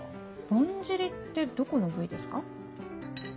ぼんじりってどこの部位ですか？